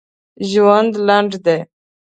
ژوند لنډ دی.